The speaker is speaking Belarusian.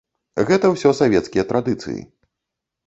Гэта ўсё савецкія традыцыі.